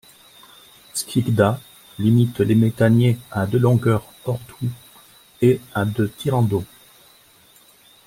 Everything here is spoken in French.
Skikda limite les méthaniers à de longueur hors-tout et à de tirant d'eau.